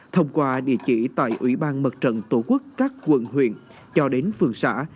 thông qua địa chỉ tại ủy ban mặt trận tổ quốc các quận huyện cho đến phường xã